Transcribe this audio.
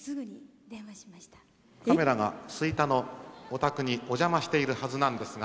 カメラが吹田のお宅にお邪魔しているはずなんですが。